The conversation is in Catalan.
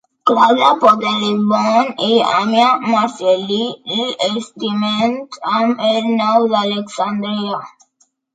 Claudi Ptolemeu i Ammià Marcel·lí l'esmenten amb el nom d'Alexandria.